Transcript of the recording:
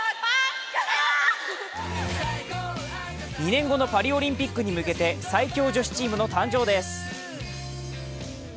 ２年後のパリオリンピックに向けて最強女子チームの誕生です。